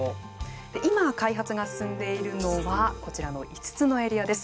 今、開発が進んでいるのはこちらの５つのエリアです。